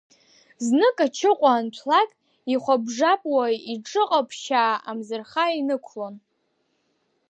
Знык ачыҟәа анҭәлак, ихәапжапуа иҿыҟаԥшьаа амӡырха инықәлон.